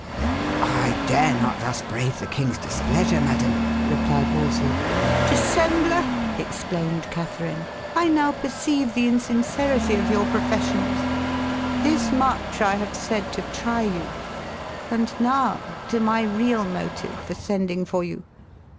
"I dare not thus brave the king's displeasure, madam;" replied Wolsey. "Dissembler!" exclaimed Catherine. "I now perceive the insincerity of your professions. This much I have said to try you. And now to my real motive for sending for you.